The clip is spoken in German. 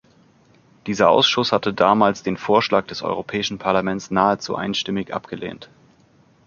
Dieser Ausschuss hatte damals den Vorschlag des Europäischen Parlaments nahezu einstimmig abgelehnt.